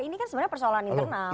ini kan sebenarnya persoalan internal